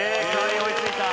追いついた。